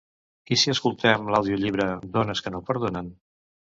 I si escoltem l'audiollibre "Dones que no perdonen"?